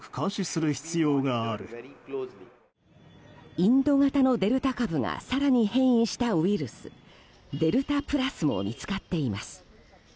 インド型のデルタ株が更に変異したウイルスデルタプラスも見つかっています。